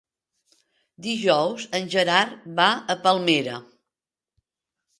Dijous en Gerard va a Palmera.